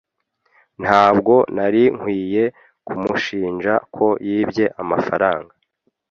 Ntabwo nari nkwiye kumushinja ko yibye amafaranga.